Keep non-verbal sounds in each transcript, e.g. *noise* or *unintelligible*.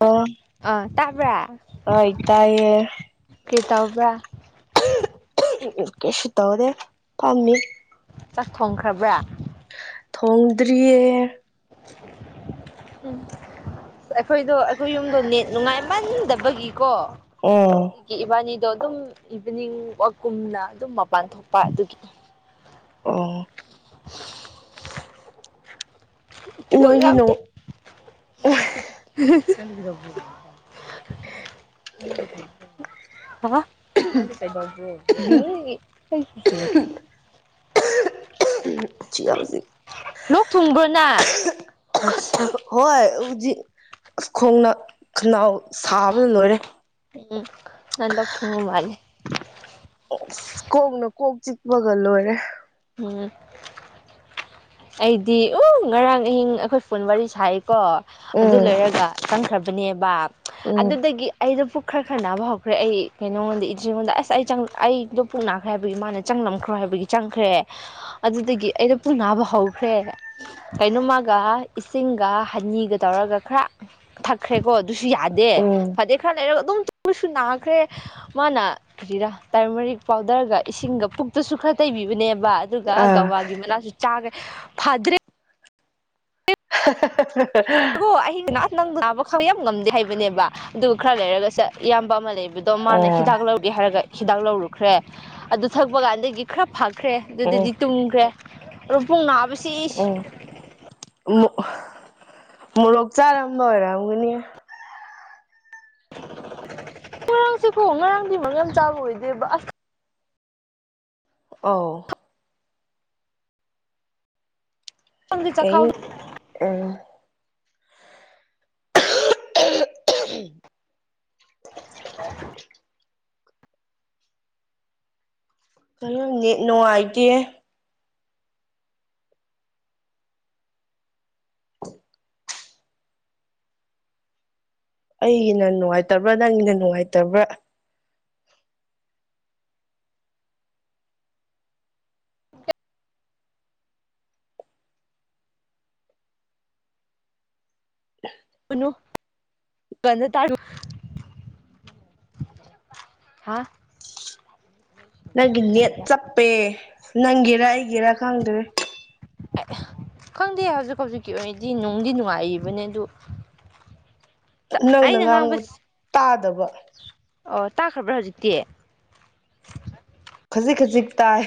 ꯑꯣ ꯑꯥ ꯇꯥꯕ꯭ꯔꯥ ꯍꯣꯏ ꯇꯥꯏꯌꯦ ꯀꯩ ꯇꯧꯕ꯭ꯔꯥ ꯀꯩꯁꯨ ꯇꯧꯗꯦ ꯐꯥꯝꯃꯤ ꯆꯥꯛ ꯊꯣꯡꯈ꯭ꯔꯕ꯭ꯔꯥ ꯊꯣꯡꯗ꯭ꯔꯤꯌꯦ ꯎꯝ ꯑꯩꯈꯣꯏꯗꯣ ꯑꯩꯈꯣꯏ ꯌꯨꯝꯗꯣ ꯅꯦꯠ ꯅꯨꯡꯉꯥꯏꯃꯟꯗꯕꯒꯤꯀꯣ ꯎꯝ ꯒꯤ ꯏꯕꯥꯅꯤꯗꯣ ꯑꯗꯨꯝ ꯏꯚꯤꯅꯤꯡ ꯋꯥꯛꯀꯨꯝꯅ ꯑꯗꯨꯝ ꯃꯄꯥꯟ ꯊꯣꯛꯄ ꯑꯗꯨꯒꯤ ꯑꯝ ꯇꯤꯀꯣꯛ ꯅꯣꯏꯒꯤ ꯌꯥꯎꯗꯦ ꯅꯣꯡ *unintelligible* *unintelligible* ꯍꯥ ꯅꯪꯗꯤ ꯀꯩꯗꯧꯕ꯭ꯔꯣ *unintelligible* ꯆꯤꯍꯥꯎꯖꯤꯛ ꯂꯣꯛ ꯊꯨꯡꯕ꯭ꯔꯣ ꯅꯪ ꯑꯁ *unintelligible* ꯍꯣꯏ ꯍꯧꯖꯤꯛ ꯑꯁ ꯈꯣꯡꯅ ꯈꯅꯥꯎ ꯁꯥꯕꯅ ꯂꯣꯏꯔꯦ ꯎꯝ ꯅꯪ ꯂꯣꯛ ꯊꯨꯡꯕ ꯃꯥꯜꯂꯤ ꯀꯣꯛꯅ ꯀꯣꯛ ꯆꯤꯛꯄꯒ ꯂꯣꯏꯔꯦ ꯎꯝ ꯑꯩꯗꯤ ꯎꯝ ꯉꯔꯥꯡ ꯑꯍꯤꯡ ꯑꯩꯈꯣꯏ ꯐꯣꯟ ꯋꯥꯔꯤ ꯁꯥꯏ ꯀꯣ ꯑꯗꯨ ꯎꯝ ꯂꯣꯏꯔꯒ ꯆꯪꯈ꯭ꯔꯕꯅꯦꯕ ꯎꯝ ꯑꯗꯨꯗꯒꯤ ꯑꯩꯗꯨ ꯄꯨꯛ ꯈꯔ ꯈꯔ ꯅꯥꯕ ꯍꯧꯈ꯭ꯔꯦ ꯑꯩ ꯀꯩꯅꯉꯣꯟꯗ ꯏꯆ‌ꯦꯉꯣꯟꯗ ꯑꯁ ꯑꯩ ꯑꯩꯗꯣ ꯄꯨꯛ ꯅꯥꯈ꯭ꯔꯦ ꯍꯥꯏꯕꯒꯤ ꯃꯥꯅ ꯆꯪꯂꯝꯈ꯭ꯔꯣ ꯍꯥꯏꯕꯒꯤ ꯆꯪꯈ꯭ꯔꯦ ꯑꯗꯨꯗꯒꯤ ꯑꯩꯅ ꯄꯨꯛ ꯅꯥꯕ ꯍꯧꯈ꯭ꯔꯦ ꯀꯩꯅꯣꯝꯃꯒ ꯏꯁꯤꯡꯒ ꯍꯅꯤꯒ ꯇꯧꯔꯒ ꯈꯔꯥ ꯊꯛꯈ꯭ꯔꯦꯀꯣ ꯑꯗꯨꯁꯨ ꯌꯥꯗꯦ ꯎꯝ ꯐꯗ‌ꯦ ꯈꯔ ꯂꯩꯔꯒ ꯑꯗꯨꯝ ꯇꯨꯝꯃꯁꯨ ꯅꯥꯈ꯭ꯔꯦ ꯃꯥꯅ ꯀꯔꯤꯔꯥ ꯇꯔꯃꯔꯤꯛ ꯄꯥꯎꯗꯔꯒ ꯏꯁꯤꯡꯒ ꯄꯨꯛꯇꯁꯨ ꯈꯔ ꯇꯩꯕꯤꯕꯅꯦꯕ ꯑꯗꯨꯒ ꯑꯥ ꯒꯧꯋꯥꯒꯤ ꯃꯅꯥꯁꯨ ꯆꯥꯒꯦ ꯐꯗ꯭ꯔꯦ *unintelligible* ꯑꯗꯨ ꯑꯩ ꯅꯪ ꯅꯥꯕ ꯈꯥꯡꯕ ꯌꯥꯝ ꯉꯝꯗꯦ ꯍꯥꯏꯕꯅꯦꯕ ꯑꯗꯨꯒ ꯈꯔ ꯂꯩꯔꯒ ꯆꯠ ꯏꯌꯥꯝꯕ ꯑꯃꯥ ꯂꯩꯕꯗꯨ ꯑꯗꯨ ꯃꯥꯅ ꯑꯣ ꯍꯤꯗꯥꯛ ꯂꯧꯒ‌ꯦ ꯍꯥꯏꯔꯒ ꯍꯤꯗꯥꯛ ꯂꯧꯔꯨꯈ꯭ꯔꯦ ꯑꯗꯨ ꯊꯛꯄ ꯀꯥꯟꯗꯒꯤ ꯈꯔ ꯐꯈ꯭ꯔꯦ ꯎꯝ ꯑꯗꯨꯗꯗꯤ ꯇꯨꯝꯈ꯭ꯔꯦ ꯑꯗꯣ ꯄꯨꯛ ꯅꯥꯕꯁꯤ ꯎꯝ ꯃꯣꯔꯣꯛ ꯆꯥꯔꯝꯕ ꯑꯣꯏꯔꯝꯒꯅꯤꯌ‌ꯦ ꯉꯔꯥꯡꯁꯤꯀꯣ ꯉꯔꯥꯡꯗꯤ ꯃꯝ *unintelligible* ꯆꯥꯕ ꯑꯣꯏꯗꯦꯕ ꯑꯁ ꯑꯣ ꯈꯪꯗꯦ ꯀꯩ ꯆꯈꯥꯎ ꯑꯝ *inaudible* *inaudible* *inaudible* *inaudible* ꯅꯨꯡꯉꯥꯏꯇꯦꯌꯦ ꯑꯩꯅ ꯅꯨꯡꯉꯥꯏꯇꯕ꯭ꯔꯥ ꯅꯪꯅ ꯅꯨꯡꯉꯥꯏꯇꯕ꯭ꯔꯥ *inaudible* *unintelligible* ꯍꯥꯥ ꯅꯪꯒꯤ ꯅꯦꯠ ꯌꯥꯕ꯭ꯔꯥ ꯆꯞꯄꯦ ꯅꯪꯒꯤꯔ ꯑꯩꯒꯤꯔ ꯈꯪꯗꯔꯦ ꯑꯦ ꯈꯪꯗꯦ ꯍꯧꯖꯤꯛ ꯍꯧꯖꯤꯛꯀꯤ ꯑꯣꯏꯅꯗꯤ ꯅꯨꯡꯗꯤ ꯅꯨꯡꯉꯥꯏꯔꯤꯕꯅꯦ ꯑꯗꯨ ꯅꯪꯅ ꯉꯥꯡꯕ ꯇꯥꯗꯕ ꯑꯣ ꯇꯥꯈ꯭ꯔꯕ꯭ꯔꯥ ꯍꯧꯖꯤꯛꯇꯤ ꯈꯖꯤꯛ ꯈꯖꯤꯛ ꯇꯥꯏ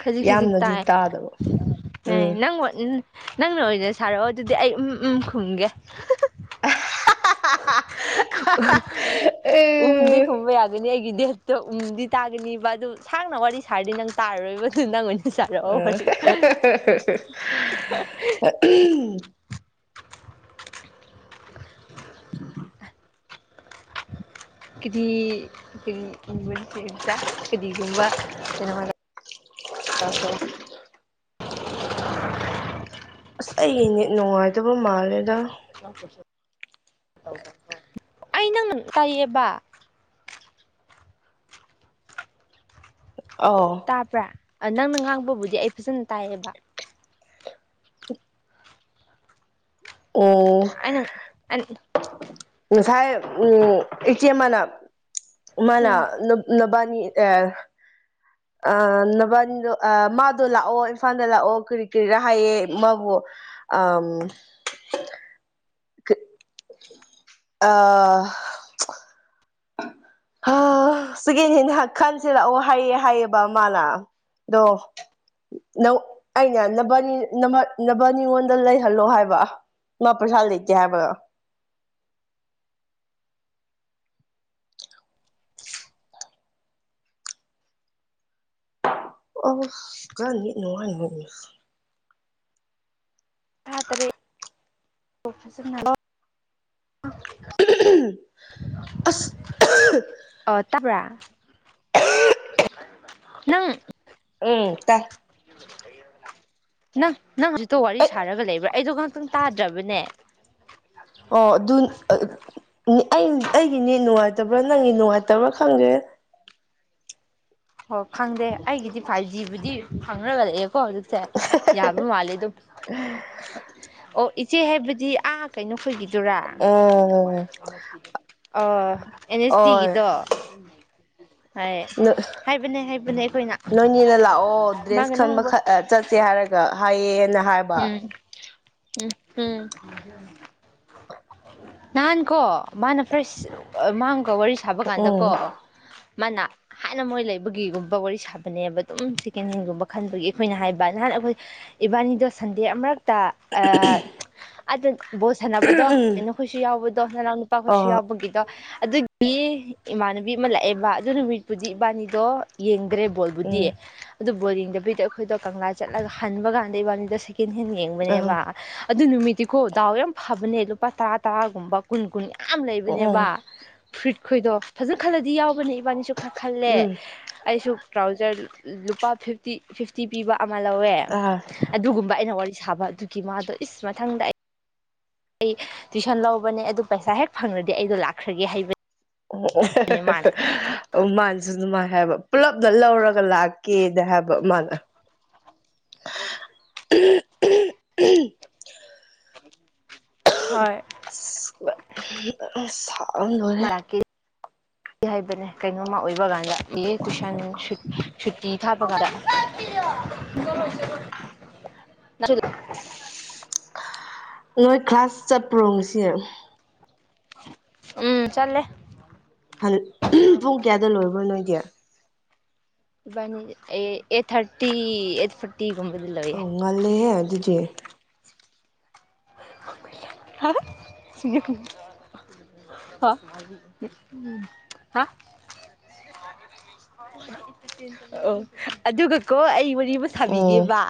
ꯈꯖꯤꯛ ꯈꯖꯤꯛ ꯌꯥꯝꯅꯗꯤ ꯇꯥꯏ ꯇꯥꯗꯕ ꯑꯦ ꯎꯝ ꯅꯪ ꯅꯪꯅ ꯑꯣꯏꯅ ꯁꯥꯔꯛꯑꯣ ꯑꯗꯨꯗꯤ ꯑꯩ ꯎꯝ ꯎꯝ ꯈꯨꯝꯒꯦ ꯎꯝꯗꯤ ꯈꯨꯝꯕ ꯌꯥꯒꯅꯤ ꯑꯩꯒꯤ ꯗꯦꯠ ꯑꯣ ꯎꯝꯗꯤ ꯇꯥꯒꯅꯤꯕ ꯑꯗꯨ ꯁꯥꯡꯅ ꯋꯥꯔꯤ ꯁꯥꯔꯗꯤ ꯅꯪ ꯇꯥꯔꯔꯣꯏꯕꯗꯨ ꯅꯪ ꯆꯥꯔꯛꯑꯣ ꯍꯧꯖꯤꯛ ꯀꯦꯗꯤ *inaudible* ꯀꯦꯗꯤꯒꯨꯝꯕ ꯀꯩꯅꯣ *inaudible* ꯑꯁ ꯑꯩ ꯅꯦꯠ ꯅꯨꯡꯉꯥꯏꯇꯕ ꯃꯥꯜꯂꯦꯗ ꯑꯩ ꯅꯪꯅ ꯇꯥꯏꯌꯦꯕ ꯑꯣ ꯇꯥꯕ꯭ꯔꯥ ꯑ ꯅꯪꯅ ꯉꯥꯡꯕꯕꯨꯗꯤ ꯑꯩ ꯐꯖꯅ ꯇꯥꯏꯌꯦꯕ ꯎꯝ ꯑꯩꯅ ꯑꯩ ꯉꯁꯥꯏ ꯎꯝ ꯏꯆꯦꯃꯅ ꯃꯥꯅ ꯅꯨ ꯅꯕꯥꯅꯤ ꯑ ꯑ ꯅꯕꯥꯅꯤꯗꯣ ꯑ ꯃꯥꯗꯣ ꯂꯥꯛꯑꯣ ꯏꯝꯐꯥꯜꯗ ꯂꯥꯛꯑꯣ ꯀ꯭ꯔꯤ ꯀ꯭ꯔꯤꯔꯥ ꯍꯥꯏꯌꯦ ꯃꯥꯕꯨ ꯑꯝ ꯑ ꯁꯦꯀꯦꯟ ꯍꯦꯟ ꯈꯟꯁꯤꯂꯥꯛꯑꯣ ꯍꯥꯏꯌꯦ ꯍꯥꯏꯌꯦꯕ ꯃꯥꯅ ꯑꯗꯣ ꯅꯪ ꯑꯩꯅ ꯅꯕꯥꯅꯤ ꯅꯕꯥ ꯅꯕꯅꯤꯉꯣꯟꯗ ꯂꯩꯍꯜꯂꯣ ꯍꯥꯏꯕ ꯃꯥ ꯄꯩꯁꯥ ꯂꯩꯇꯦ ꯍꯥꯏꯕ *unintelligible* ꯇꯥꯇꯔꯦ ꯐꯖꯅ ꯑꯁ *unintelligible* ꯑꯥ ꯇꯥꯕ꯭ꯔꯥ ꯅꯪ ꯎꯝ ꯇꯥꯏ ꯅꯪ ꯅꯪ ꯍꯧꯖꯤꯛꯇꯣ ꯋꯥꯔꯤ ꯑꯩ ꯁꯥꯔꯒ ꯂꯩꯕ꯭ꯔꯥ ꯑꯩꯗꯣ ꯉꯍꯥꯛꯇꯪ ꯇꯥꯗ꯭ꯔꯕꯅꯦ ꯑꯣ ꯑꯗꯨ ꯑ ꯑꯩ ꯑꯩꯒꯤ ꯅꯦꯠ ꯅꯨꯡꯉꯥꯏꯇꯕ꯭ꯔꯥ ꯅꯪꯒꯤ ꯅꯨꯡꯉꯥꯏꯇꯕ꯭ꯔꯥ ꯈꯪꯗꯦ ꯑꯣ ꯈꯪꯗꯦ ꯑꯩꯒꯤꯗꯤ ꯐꯥꯏꯚ ꯖꯤꯕꯨꯗꯤ ꯐꯪꯔꯒ ꯂꯩꯌꯦꯀꯣ ꯗꯨ ꯁꯦ ꯌꯥꯕ ꯃꯥꯜꯂꯦ ꯗꯨ ꯑꯣ ꯏꯆꯦ ꯍꯥꯏꯕꯗꯤ ꯑꯥ ꯀꯩꯅꯣ ꯈꯣꯏꯒꯤꯗꯨꯔꯥ ꯎꯝ ꯑꯣ ꯑꯦꯟ ꯑꯦꯁ ꯑꯣꯏ ꯇꯤꯒꯤꯗꯣ ꯍꯥꯏ ꯍꯥꯏꯕꯅꯦ ꯍꯥꯏꯕꯅꯦ ꯑꯩꯈꯣꯏꯅ ꯅꯣꯏꯅꯤꯅꯥ ꯂꯥꯛꯑꯣ ꯗ꯭ꯔꯦꯁ ꯃꯥꯒ ꯈꯟꯕꯥ ꯅꯍꯥꯟꯋꯥꯏ ꯈꯥ ꯆꯠꯁꯦ ꯍꯥꯏꯔꯛ ꯒꯥ ꯍꯥꯏꯌꯦꯅ ꯍꯥꯏꯞ *unintelligible* ꯅꯍꯥꯟ ꯀꯣ ꯃꯥꯅ ꯐ꯭ꯔꯦꯁ ꯃꯥꯡꯒꯥ ꯋꯥꯔꯤ ꯁꯥꯕ ꯎꯝ ꯀꯥꯟꯗꯀꯣ ꯃꯥꯅꯥ ꯍꯥꯟꯅꯥ ꯃꯣꯏ ꯂꯩꯕꯒꯤꯒꯨꯝꯕ ꯋꯥꯔꯤ ꯁꯥꯕꯅꯦꯕ ꯑꯗꯨꯝ ꯁꯦꯀꯦꯟ ꯍꯦꯟꯒꯨꯝꯕ ꯈꯟꯕꯒꯤ ꯑꯩꯈꯣꯏꯅ ꯍꯥꯏꯕ ꯅꯍꯥꯟꯅ ꯑꯩꯈꯣꯏ ꯏꯕꯥꯅꯤꯗꯣ ꯁꯟꯗꯦ ꯑꯃꯥꯔꯛꯇꯥ ꯑꯥ ꯑꯥꯗꯥ ꯕꯣꯁ ꯁꯥꯟꯅꯥꯕꯗꯣ ꯀꯩꯅꯣ ꯈꯣꯏꯁꯨ ꯌꯥꯎꯕꯗꯣ ꯅꯥꯅꯥꯎ ꯅꯨꯄꯥꯈꯣꯏꯁꯨ ꯎꯝ ꯌꯥꯎꯕꯒꯤꯗꯣ ꯑꯗꯨꯛ ꯒꯤ ꯏꯃꯥꯟꯅꯕꯤ ꯑꯃꯥ ꯂꯥꯛꯑꯦꯕ ꯑꯗꯨ ꯅꯨꯃꯤꯠꯄꯨꯗꯤ ꯏꯕꯥꯅꯤꯗꯣ ꯌꯦꯡꯗ꯭ꯔꯦ ꯕꯣꯜ ꯑ ꯕꯨꯗꯤ ꯎꯝ ꯑꯗꯨ ꯕꯣꯜ ꯌꯦꯡꯗꯥꯕꯤꯗ ꯑꯩꯈꯣꯏꯗꯣ ꯀꯪꯂꯥ ꯆꯠꯂꯥꯒ ꯍꯟꯕꯥ ꯀꯥꯟꯗ ꯏꯕꯥꯅꯤꯗꯣ ꯁꯦꯛ ꯀꯦꯟꯍꯦꯟ ꯌꯦꯡꯕꯥꯅꯦꯕꯥ ꯑꯗꯨ ꯅꯨꯃꯤꯠꯇꯤꯀꯣ ꯗꯥꯎ ꯌꯥꯝ ꯐꯕꯅꯦ ꯂꯨꯄꯥ ꯇꯔꯥ ꯇꯔꯥꯒꯨꯝꯕ ꯀꯨꯟ ꯀꯨꯟ ꯌꯥꯝ ꯑ ꯎꯝ ꯂꯩꯕꯥꯅꯦꯕ ꯐꯨꯔꯤꯠꯈꯣꯏꯗꯣ ꯐꯖꯥꯅ ꯈꯜꯂꯥꯗꯤ ꯌꯥꯎꯕꯅꯦ ꯏꯕꯥꯅꯤꯁꯨ ꯈꯔꯥ ꯈꯜꯂꯦ ꯑꯩꯁꯨ ꯇ꯭ꯔꯥꯎꯖꯥꯔ ꯂꯨꯄꯥ ꯐꯤꯐꯇꯤ ꯐꯤꯐꯇꯤ ꯄꯤꯕ ꯑꯃꯥ ꯂꯧꯋꯦ ꯎꯝ ꯑꯗꯨꯒꯨꯝꯕ ꯑꯩꯅ ꯋꯥꯔꯤ ꯁꯥꯕ ꯑꯗꯨꯒꯤ ꯃꯥꯗꯣ ꯏꯁ ꯃꯊꯪꯗ ꯑꯩ ꯑꯩ ꯇꯨꯏꯁꯟ ꯂꯧꯕꯅꯦ ꯑꯗꯨ ꯄꯩꯁꯥ ꯍꯦꯛ ꯐꯪꯔꯥꯗꯤ ꯑꯩꯗꯣ ꯂꯥꯛꯈ꯭ꯔꯥꯒꯦ ꯍꯥꯏꯕ ꯎꯝ ꯑꯣ ꯃꯥꯅꯥꯁꯨ ꯑꯗꯨꯃꯥꯏ ꯍꯥꯏꯕ ꯄꯨꯜꯂꯞꯗ ꯂꯧꯔꯥꯒ ꯂꯥꯛꯀꯦ ꯗꯥ ꯍꯥꯏꯕ ꯃꯥꯅ *unintelligible* *unintelligible* ꯍꯣꯏ ꯑꯁ ꯁꯥꯕꯅꯥ ꯂꯣꯏꯔꯦ ꯂꯥꯛꯀꯦ ꯍꯥꯏꯕꯅꯦ ꯀꯩꯅꯣꯝꯃꯥ ꯑꯣꯏꯕ ꯀꯥꯟꯗ ꯑꯦ ꯇꯨꯏꯁꯟ ꯁꯨꯠ ꯁꯨꯇꯤ ꯊꯥꯕ ꯀꯥꯟꯗꯥ *unintelligible* ꯅꯣꯏ ꯈ꯭ꯂꯥꯁ ꯆꯠꯄ꯭ꯔꯣ ꯉꯁꯤ ꯎꯝ ꯆꯠꯂꯦ *unintelligible* ꯄꯨꯡ ꯀꯌꯥꯗ ꯂꯣꯏꯕ꯭ꯔꯣ ꯅꯣꯏꯗꯤ ꯏꯕꯥꯅꯤ ꯑꯦ ꯑꯩꯠ ꯊꯥꯔꯇꯤ ꯑꯩꯠ ꯐꯣꯔꯇꯤꯒꯨꯝꯕꯗꯥ ꯂꯣꯏꯌꯦ ꯉꯟꯂꯤꯍꯦ ꯑꯗꯨꯗꯤ *unintelligible* *unintelligible* ꯍꯥ *inaudible* ꯑꯣ ꯑꯗꯨꯒꯥꯀꯣ ꯑꯩ ꯋꯥꯔꯤ ꯑꯃꯥ ꯎꯝ ꯁꯥꯕꯤꯒꯦꯕꯥ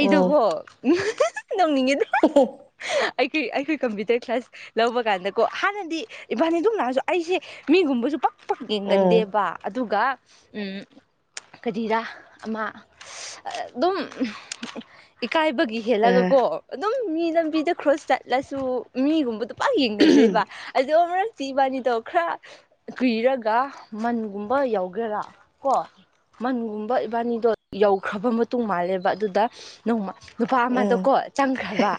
ꯎꯝ ꯅꯣꯛꯅꯤꯡꯉꯦꯗ *unintelligible* ꯑꯩꯈꯣꯏ ꯑꯩꯈꯣꯏ ꯀꯝꯄ꯭ꯌꯨꯇꯔ ꯀ꯭ꯂꯥꯁ ꯂꯧꯕ ꯀꯥꯟꯗꯥꯀꯣ ꯍꯥꯟꯅꯗꯤ ꯏꯕꯥꯅꯤꯗꯨꯝ ꯂꯥꯛꯑꯥꯁꯨ ꯑꯩꯁꯦ ꯃꯤꯒꯨꯝꯕꯁꯨ ꯄꯥꯛ ꯄꯥꯛ ꯎꯝ ꯌꯦꯡꯒꯟꯗꯦꯕ ꯑꯗꯨꯒꯥ ꯎꯝ ꯀꯔꯤꯔꯥ ꯑꯃꯥ ꯗꯨꯝ ꯏꯀꯥꯏꯕꯒꯤ ꯍꯦꯜꯂꯒꯥꯀꯣ ꯑꯗꯨꯝ ꯃꯤ ꯂꯝꯕꯤꯗ ꯈ꯭ꯔꯣꯁ ꯆꯠꯂꯁꯨ ꯃꯤꯒꯨꯝꯕꯗꯣ ꯄꯥꯛ ꯌꯦꯡꯒꯟꯗꯦꯕ ꯑꯗꯣ ꯑꯃꯔꯛꯇꯤ ꯏꯕꯥꯅꯤꯗꯣ ꯈꯔ ꯀꯨꯏꯔꯒ ꯃꯟꯒꯨꯝ ꯃꯣꯏ ꯌꯥꯎꯒꯦꯔꯥ ꯀꯣ ꯃꯟꯒꯨꯝꯕ ꯏꯕꯥꯅꯤꯗꯣ ꯌꯧꯈ꯭ꯔꯥꯕ ꯃꯇꯨꯡ ꯃꯥꯜꯂꯦꯕ ꯑꯗꯨꯗꯥ ꯅꯣꯡꯃ ꯅꯨꯄꯥ ꯎꯝ ꯑꯃꯗꯣꯀꯣ ꯆꯪꯈ꯭ꯔꯥꯕ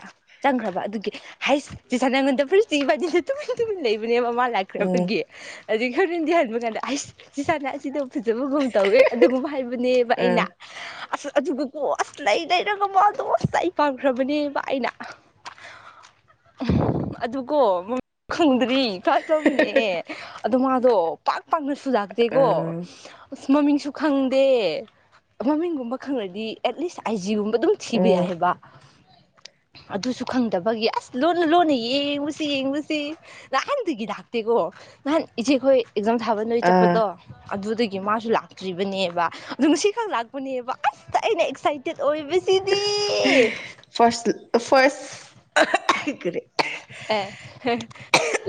ꯆꯪꯈ꯭ꯔꯥꯕ ꯑꯗꯨꯒꯤ ꯍꯥꯏꯁ *unintelligible* ꯅꯉꯣꯟꯗꯥ ꯐꯨꯔꯤꯠ ꯆꯤꯡ ꯏꯕꯥꯅꯤꯗꯣ ꯇꯨꯃꯤꯟ ꯇꯨꯃꯤꯟ ꯂꯩꯕꯅꯦꯕ ꯃꯥ ꯂꯥꯛ ꯎꯝ ꯈꯔꯄꯒꯤ ꯑꯗꯩ ꯈꯔꯅꯗꯤ ꯍꯥꯏꯕ ꯀꯥꯟꯗ ꯑꯩꯁ ꯁꯤ ꯆꯅ ꯑꯁꯤꯗꯣ ꯐꯖꯕꯒꯨꯝ ꯇꯧꯋꯦ ꯑꯗꯨꯒꯨꯝꯕ ꯍꯥꯏꯕꯅꯦꯕ ꯎꯝ ꯑꯩꯅ ꯑꯁ ꯑꯗꯨꯒꯀꯣ ꯑꯁ ꯂꯩ ꯂꯩꯔꯒ ꯃꯥꯗꯣ ꯑꯁ ꯑꯩ ꯄꯥꯝꯈ꯭ꯔꯕꯅꯦꯕ ꯑꯩꯅ *inaudible* *unintelligible* ꯑꯗꯨꯀꯣ ꯃꯝ ꯈꯪꯗ꯭ꯔꯤ ꯀꯥꯟ ꯇꫭꯃꯤꯟꯑꯦ ꯑꯗꯣ ꯃꯥꯗꯣ ꯄꯥꯛ ꯄꯥꯛꯅꯁꯨꯨ ꯑ ꯂꯥꯛꯇꯦꯀꯣ ꯎꯁ ꯃꯃꯤꯡꯁꯨ ꯈꯪꯗꯦ ꯃꯃꯤꯡꯒꯨꯝꯕ ꯈꯪꯪꯂꯗꯤ ꯑꯦꯠꯂꯤꯁ ꯑꯥꯏꯖꯤꯒꯨꯝꯕ ꯗꯨꯝ ꯊꯤꯕ ꯎꯝ ꯌꯥꯏꯕ ꯑꯗꯨꯁꯨ ꯈꯪꯗꯕꯒꯤ ꯑꯁ ꯂꯣꯟꯅ ꯂꯣꯟꯅ ꯌꯦꯡꯕꯁꯤ ꯌꯦꯡꯕꯁꯤ ꯅꯍꯥꯟꯗꯒꯤ ꯂꯥꯛꯇꯦꯒꫭ ꯅꯍꯥꯟ ꯏꯆꯦ ꯈꯣꯏ ꯑꯦꯛꯖꯥꯝ ꯊꯥꯕ ꯅꯣꯏ ꯆꯠꯄꯗꯣ ꯑ ꯑꯗꯨꯗꯒꯤ ꯃꯥꯁꯨ ꯂꯥꯛꯇ꯭ꯔꯤꯕꯅꯦꯕ ꯗꯨ ꯉꯁꯤꯈꯛ ꯂꯥꯛꯄꯅꯦꯕ ꯑꯁꯇ ꯑꯩꯅ ꯑꯦꯛꯁꯥꯏ *unintelligible* ꯐꯔꯁ ꯐꯔꯁ *unintelligible* ꯀꯔꯤ ꯑꯦ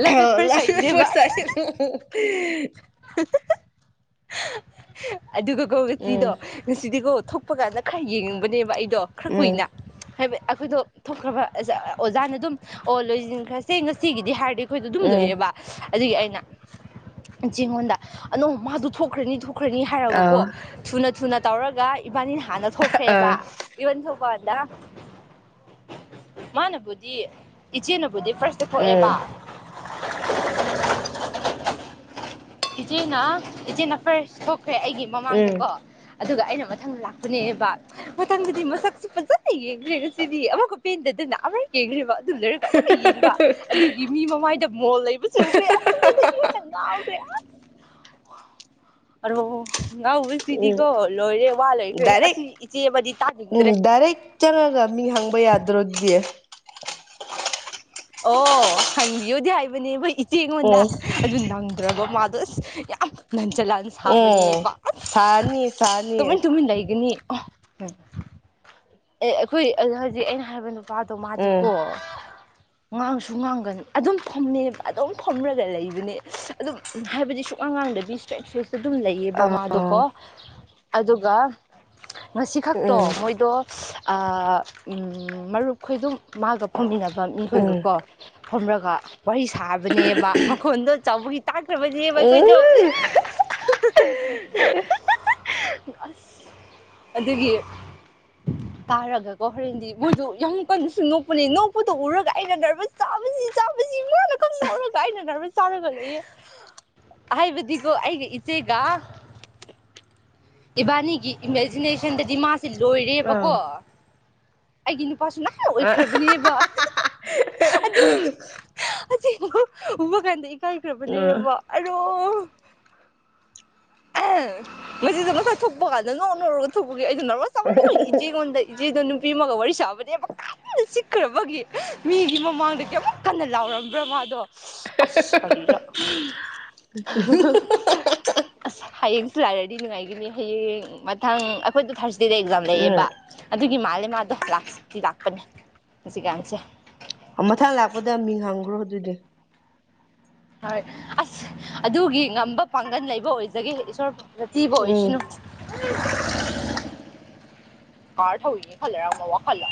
ꯂꯞ ꯑꯦꯠ ꯐꯥꯔꯁ *unintelligible* *unintelligible* ꯁꯥꯏꯠꯅꯦꯕ ꯐꯔꯁꯥꯏ *unintelligible* *unintelligible* ꯑꯗꯨꯒꯀꯣ ꯉꯆꯤꯗꯣ ꯎꯝ ꯉꯁꯤꯗꯤꯀꯣ ꯊꯣꯛꯄ ꯀꯥꯟꯗ ꯈꯔ ꯌꯦꯡꯕꯅꯦꯕ ꯑꯩꯗꯣ ꯈꯔ ꯀꯨꯏꯅ ꯎꯝ ꯍꯥꯏꯕ ꯑꯩꯈꯣꯏꯗꯣ ꯊꯣꯛꯈ꯭ꯔꯕ ꯑꯖ ꯑꯣꯖꯥꯅ ꯗꯨꯝ ꯑꯣ ꯂꯣꯏꯖꯤꯟꯈ꯭ꯔꯁꯦ ꯉꯁꯤꯒꯤꯗꯤ ꯍꯥꯏꯔꯗꯤ ꯑꯩꯈꯣꯏꯗꯣ ꯑꯗꯨꯝ ꯎꯝ ꯂꯣꯏꯌꯦꯕ ꯑꯗꯨꯒꯤ ꯑꯩꯅ ꯑꯆꯤꯉꯣꯟꯗ ꯑꯅꯣ ꯃꯥꯗꫭ ꯊꯣꯛꯈ꯭ꯔꯅꯤ ꯊꯣꯛꯈ꯭ꯔꯅꯤ ꯍꯥꯏꯔꯒꯀꯣ ꯑ ꯊꯨꯅ ꯊꯨꯅ ꯇꯧꯔꯒ ꯏꯕꯥꯅꯤꯅ ꯍꯥꯟꯅ ꯑ ꯊꯣꯛꯈ꯭ꯔꯦꯕ ꯏꯕꯟ ꯊꫭꯛꯄꯗ ꯃꯥꯅꯕꯨꯗꯤ ꯏꯆꯦꯅꯕꯨꯗꯤ ꯐꯔꯁ ꯊꫭꯛꯑꯦꯕ ꯎꯝ ꯏꯆꯦꯅ ꯏꯆꯦꯅ ꯐꯔꯁ ꯊꯣꯛꯈ꯭ꯔꯦ ꯑꯩꯒꯤ ꯎꯝ ꯃꯃꯥꯡꯗꯀꯣ ꯑꯗꯨꯒ ꯑꯩꯅ ꯃꯊꯪ ꯂꯥꯛꯄꯅꯦꯕ ꯃꯊꯪꯗꯗꯤ ꯃꯁꯛꯁꯦ ꯐꯖꯅ ꯌꯦꯡꯒ꯭ꯔꯦ ꯉꯁꯤꯗꯤ ꯑꯃꯨꯛꯀ ꯄꯦꯟꯗꯗꯅ ꯑꯃꯛ ꯌꯦꯡꯒ꯭ꯔꯦꯕ ꯑꯗꯨ ꯂꯔ ꯑꯃꯨꯛꯀ ꯌꯦꯡꯕ ꯑꯗꯨꯒꯤ ꯃꯤ ꯃꯃꯥꯏꯗ ꯃꯣꯜ ꯂꯩꯕꯁꯨ ꯎꯈ꯭ꯔꯦ ꯑꯁ ꯑꯗꯨꯗꯩꯒꯤ ꯍꯦꯟꯅ ꯉꯥꯎ ꯑꯁ *unintelligible* ꯑꯔꫭ ꯉꯥꯎꯕꯖꯤꯗꯤꯀꯣ ꯎꯝ ꯂꯣꯏꯔꯦ ꯋꯥ ꯂꯩꯇ꯭ꯔꯦ ꯑꯁꯤ ꯏꯆꯦ ꯃꯗꯤ ꯇꯥꯅꯤꯡꯗ꯭ꯔꯦ ꯀꯔꯤ ꯆꯪꯂꯣꯗ ꯃꯤ ꯍꯪꯕ ꯌꯥꯗ꯭ꯔꯣꯗꯤ ꯑꯣ ꯍꯪꯕꯤꯌꯣꯗꯤ ꯍꯥꯏꯕꯅꯦꯕ ꯏꯆꯦꯉꯣꯟꯗ ꯎꯝ ꯑꯗꯨ ꯅꯪꯗ꯭ꯔꯕ ꯃꯥ ꯑꯁ ꯌꯥꯝ ꯅꯟꯆꯜꯂꯥꯟꯅ ꯎꯝ ꯁꯥꯕꯅꯦꯕ ꯑꯁ ꯁꯥꯅꯤ ꯁꯥꯅꯤ ꯇꯨꯃꯤꯟ ꯇꯨꯃꯤꯟ ꯂꯩꯒꯅꯤ ꯑꯣꯍ *unintelligible* ꯑꯦ ꯑꯩꯈꯣꯏ ꯑꯅ ꯍꯧꯖꯤꯛ ꯑꯩꯅ ꯍꯥꯏꯕ ꯅꯨꯄꯥꯗꯣ ꯎꯝ ꯃꯥꯗꯤꯀꯣ ꯉꯥꯡꯁꯨ ꯉꯥꯡꯒꯟ ꯑꯗꯨꯝ ꯐꯝꯅꯦ ꯑꯗꯨꯝ ꯐꯝꯔꯒ ꯂꯩꯕꯅꯦ ꯑꯗꯨꯝ ꯍꯥꯏꯕꯗꯤ ꯁꯨꯛꯉꯥꯡ ꯉꯥꯡꯗ꯭ꯔꯗꯤ ꯁ꯭ꯇꯔꯦꯠ ꯐꯦꯁ ꯑꯗꯨꯝ ꯂꯩꯌꯦꯕ ꯑ ꯃꯥꯗꯣꯀꯣ ꯎꯝ ꯑꯗꯨꯒ ꯉꯁꯤ ꯈꯛꯇꯣ ꯎꯝ ꯃꯣꯏꯗꯣ ꯑ ꯃꯔꯨꯞꯈꯣꯏꯗꯨꯝ ꯃꯥꯒ ꯐꯝꯃꯤꯟꯅꯕ ꯎꯝ ꯃꯤꯈꯣꯏꯒꯀꯣ ꯐꯝꯔꯒ ꯋꯥꯔꯤ ꯁꯥꯕꯅꯦꯕ ꯃꯈꯣꯟꯗꯣ ꯆꯥꯎꯕꯒꯤ ꯇꯥꯈ꯭ꯔꯕꯅꯦꯕ ꯑꯩꯈꯣꯏꯗꯣ *unintelligible* *unintelligible* ꯑꯁ ꯑꯗꯨꯒꯤ ꯇꯥꯔꯒꯀꯣ ꯍꯣꯔꯦꯟꯗꯤ ꯃꯣꯏꯗꫭ ꯌꯥꯝ ꯀꯟꯅꯁꯨ ꯅꯣꯛꯄꯅꯦ ꯅꯣꯛꯄꯗꯣ ꯎꯔꯒ ꯑꯩꯅ ꯅꯔꯕꯁ *inaudible* ꯂꯀ ꯅꫭꯛꯔꯒ ꯑꯩꯅ ꯅꯔꯚꯁ ꯆꯥꯔꯒ ꯂꯩꯌꯦ ꯍꯥꯏꯕꯗꯤꯀꯣ ꯑꯩꯒ ꯏꯆꯦꯒꯥ ꯏꯕꯥꯅꯤꯒꯤ ꯏꯃꯦꯖꯤꯅꯦꯁꯟꯗꯗꯤ ꯃꯥꯁꯦ ꯂꯣꯏꯔꯦꯕꯀꯣ ꯑꯩꯒꯤ ꯅꯨꯄꯥꯁꯨ ꯅꯍꯥ ꯑ ꯑꯣꯏꯈ꯭ꯔꯕꯅꯦꯕ ꯑꯗꯨꯒꯤ ꯑꯆꯦꯡꯕ ꯎꯕ ꯀꯥꯟꯗ ꯎꯝ ꯏꯀꯥꯏꯈ꯭ꯔꯕꯅꯦꯕ ꯑꯔꯣ ꯑꯦ ꯉꯁꯤꯗ ꯃꯁꯥ ꯊꯣꯛꯄ ꯀꯥꯟꯗ ꯅꯣꯛ ꯅꯧꯔꯒ ꯊꯣꯛꯄꯒꯤ ꯑꯩꯖꯦ ꯅꯔꯕꯁ ꯆꯠꯃꯟꯕꯩ ꯏꯆꯦꯉꯣꯟꯗ ꯏꯆꯦꯗꯣ ꯅꯨꯄꯤ ꯑꯃꯒ ꯋꯥꯔꯤ ꯁꯥꯕꯅꯦ ꯀꯟꯅ ꯆꯤꯛꯈ꯭ꯔꯕꯒꯤ ꯃꯤꯒꯤ ꯃꯃꯥꯡꯗ ꯀꯩꯌꯥꯃꯨꯛ__ ꯀꯟꯅ ꯂꯥꯎꯔꯝꯕ꯭ꯔꯥ ꯃꯥꯗꯣ ꯑꯁ ꯀꯔꯤꯔꯥ ꯑꯁ ꯍꯌꯦꯡꯁꯨ ꯂꯥꯛꯔꯗꯤ ꯅꯨꯡꯉꯥꯏꯒꯅꯤ ꯍꯌꯦꯡ ꯃꯊꯪ ꯑꯩꯈꯣꯏꯗꯨ ꯊꯥꯔꯁꯗꯦꯗ ꯑꯦꯛꯖꯥꯝ ꯂꯩꯌꯦꯕ ꯎꯝ ꯑꯗꯨꯒꯤ ꯃꯥꯜꯂꯦ ꯃꯥꯗꯣ ꯂꯥꯛꯇꯤ ꯂꯥꯛꯀꯅꯤ ꯍꯨꯖꯤꯛꯀꯥꯟꯁꯦ ꯃꯊꯪ ꯂꯥꯛꯄꯗ ꯃꯤꯡ ꯍꯥꯡꯒ꯭ꯔꯣ ꯑꯗꯨꯗꯤ ꯍꯣꯏ ꯑꯁ ꯑꯗꯨꯒꯤ ꯉꯝꯕ ꯄꯥꯡꯒꯟ ꯂꯩꯕ ꯑꯣꯏꯖꯒꯦ ꯏꯁꯣꯔꯑ ꯄꯤꯕ ꯎꯝ ꯑꯣꯏꯁꯅꯨ *unintelligible* ꯀꯥꯔ ꯊꯧꯏꯌꯤ ꯈꯜꯂꯤꯔꯥ ꯃꯋꯥꯈꯜꯂ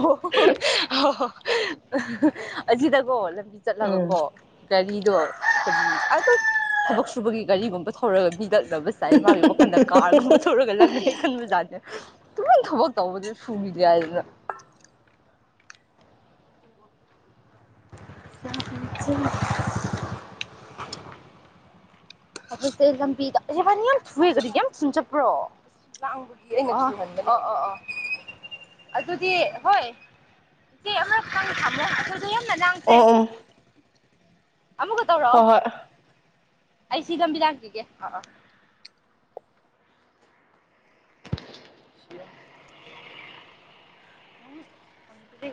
ꯑꯣ ꯑꯣ ꯑꯁꯤꯗꯀꯣ ꯂꯝꯕꯤ ꯎꯝ ꯆꯠꯂꯒꯀꯣ ꯒꯥꯔꯤꯗꯣ ꯀꯔꯤ ꯑꯗꯣ ꯊꯕꯛ ꯁꯨꯕꯒꯤ ꯒꯥꯔꯤꯒꯨꯝꯕ ꯊꯧꯔꯒ ꯃꯤꯂꯛꯅꯕꯁ__ ꯉꯁꯥꯏ ꯃꯥꯒꯤ ꯋꯥꯈꯟꯗ ꯀꯥꯔꯒꯨꯝꯕ ꯊꯧꯔꯒ ꯂꯛꯅꯩ ꯍꯦꯛ ꯈꯟꯕꯖꯥꯠꯅꯦ ꯇꯨꯃꯤꯟ ꯊꯕꯛ ꯇꯧꯕꯗꯨ ꯁꯨꯒꯦꯗꯤ ꯍꯥꯏꯗꯅ ꯇꯥꯝꯖꯒꯦ ꯑꯩꯈꯣꯏ ꯍꯣꯁꯇꯦꯜ ꯂꯝꯕꯤꯗ ꯖꯤꯍꯥꯅꯤ ꯌꯥꯝ ꯊꯨꯋꯦ ꯀꯔꯤꯒꯤ ꯌꯥꯝ ꯊꯨꯅ ꯆꯠꯄ꯭ꯔꯣ ꯂꯥꯡꯕꯒꯤ ꯑꯩꯅ ꯉꯥꯛ ꯀꯤꯍꯟꯕꯅꯦꯕ ꯑꯣ ꯑꯣ ꯑꯣ ꯑꯗꯨꯗꯤ ꯍꯣꯏ ꯆꯦ ꯑꯃꯛꯈꯪ ꯊꯝꯃꯣ ꯑꯗꯨꯗꯣ ꯌꯥꯝꯅ ꯂꯥꯡꯈ꯭ꯔꯦ ꯑꯣ ꯎꯝ ꯑꯃꯨꯛꯀ ꯇꯧꯔꯛꯑꯣ ꯍꯣꯏ ꯍꯣꯏ ꯑꯩ ꯁꯤ ꯂꯝꯕꯤ ꯂꯥꯛꯈꯤꯒꯦ ꯑꯣ ꯑꯣ *inaudible* ꯎꯝ ꯐꯪꯄꯗꯤ